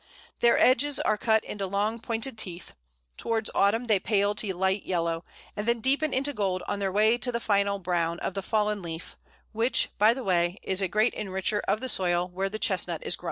Their edges are cut into long pointed teeth. Towards autumn they pale to light yellow, and then deepen into gold on their way to the final brown of the fallen leaf, which, by the way, is a great enricher of the soil where the Chestnut is grown.